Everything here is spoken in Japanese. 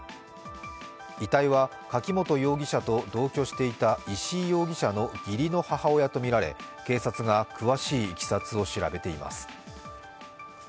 遺体は柿本容疑者と同居していた石井容疑者の義理の母親とみられ警察が詳しいいきさつを調べています。